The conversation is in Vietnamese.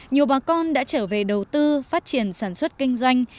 nhiều bà con đã trở về đầu tư phát triển sản xuất kinh doanh